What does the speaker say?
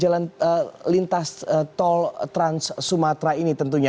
jalan lintas tol trans sumatera ini tentunya